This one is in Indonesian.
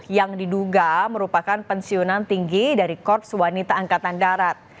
yang diduga merupakan pensiunan tinggi dari korps wanita angkatan darat